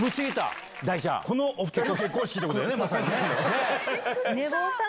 このお２人の結婚式ってことだよね。